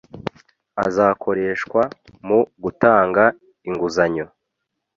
azakoreshwa mu gutanga inguzanyo.